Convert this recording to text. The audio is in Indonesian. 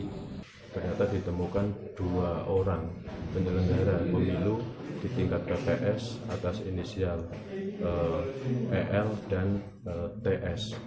ternyata ditemukan dua orang penyelenggara pemilu di tingkat pps atas inisial el dan ts